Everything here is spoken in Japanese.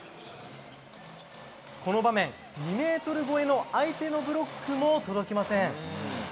この場面、２ｍ超えの相手のブロックも届きません。